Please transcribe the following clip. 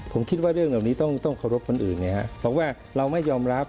ผมคิดว่าเรื่องเหล่านี้ต้องเคารพคนอื่นไงฮะเพราะว่าเราไม่ยอมรับ